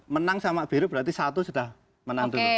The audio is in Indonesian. menang sama biru berarti satu sudah menang dulu